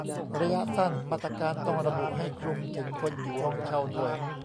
ระยะสั้น มาตรการต้องระบุให้คลุมถึงคนอยู่ห้องเช่าด้วย